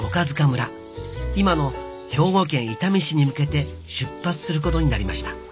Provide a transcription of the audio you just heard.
塚村今の兵庫県伊丹市に向けて出発することになりました。